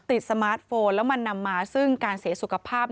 สมาร์ทโฟนแล้วมันนำมาซึ่งการเสียสุขภาพ